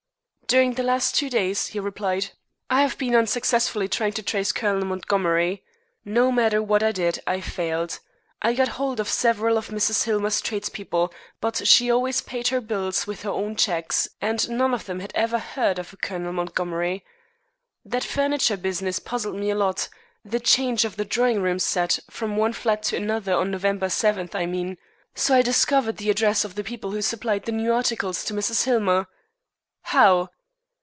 "During the last two days," he replied, "I have been unsuccessfully trying to trace Colonel Montgomery. No matter what I did I failed. I got hold of several of Mrs. Hillmer's tradespeople, but she always paid her bills with her own cheques, and none of them had ever heard of a Colonel Montgomery. That furniture business puzzled me a lot the change of the drawing room set from one flat to another on November 7, I mean. So I discovered the address of the people who supplied the new articles to Mrs. Hillmer " "How?"